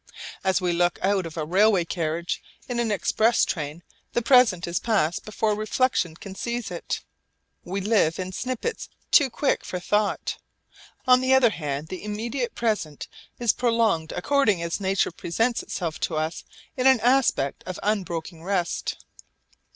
As we look out of a railway carriage in an express train, the present is past before reflexion can seize it. We live in snippits too quick for thought. On the other hand the immediate present is prolonged according as nature presents itself to us in an aspect of unbroken rest.